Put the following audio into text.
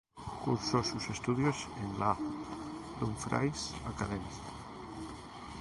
Cursó sus estudios en la "Dumfries Academy".